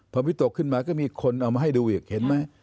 พอวิตกขึ้นมาก็มีคนเอามาให้ดูอีกเห็นไหม